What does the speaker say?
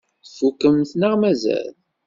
Tfukkemt neɣ mazal?